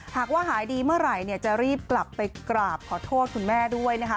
หากว่าหายดีเมื่อไหร่จะรีบกลับไปกราบขอโทษคุณแม่ด้วยนะคะ